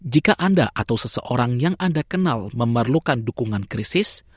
jika anda atau seseorang yang anda kenal memerlukan dukungan krisis